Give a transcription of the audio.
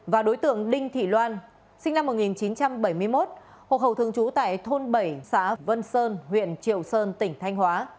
và đối tượng đinh thị loan sinh năm một nghìn chín trăm bảy mươi một hộ khẩu thường trú tại thôn bảy xã vân sơn huyện triệu sơn tỉnh thanh hóa